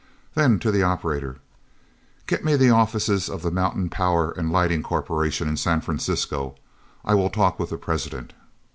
Then to the operator: "Get me the offices of the Mountain Power and Lighting Corporation in San Francisco. I will talk with the president."